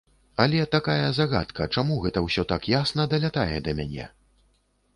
Але такая загадка, чаму гэта ўсё так ясна далятае да мяне?